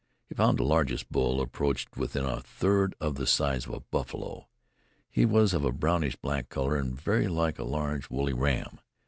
He found the largest bull approached within a third of the size of a buffalo. He was of a brownish black color and very like a large, woolly ram.